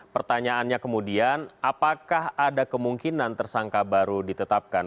pertanyaannya kemudian apakah ada kemungkinan tersangka baru ditetapkan